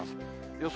予想